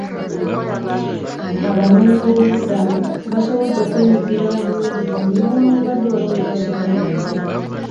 Abanoonyiboobubudamu basobodde okwenyigira mu byobulimi newankubadde waliwo ebibasoomooza.